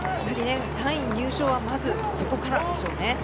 ３位入賞はまずそこからでしょうね。